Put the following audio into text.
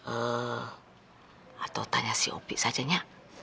eh atau tanya si opi saja ya